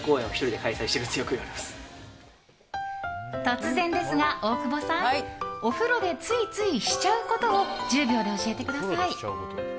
突然ですが、大久保さん。お風呂でついついしちゃうことを１０秒で教えてください。